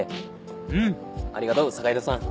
うんありがとう坂井戸さん。